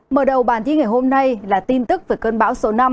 mở đầu bản tin ngày hôm nay là tin tức về cơn bão số năm